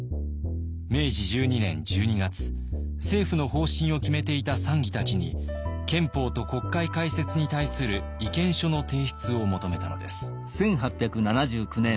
明治１２年１２月政府の方針を決めていた参議たちに「憲法と国会開設」に対する意見書の提出を求めたのです。